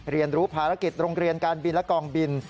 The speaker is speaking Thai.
เรียนรู้ภารกิจโรงเรียนการบินและกองบิน